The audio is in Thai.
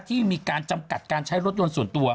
ที่มีการจำกัดการใช้รถยนต์ส่วนตัว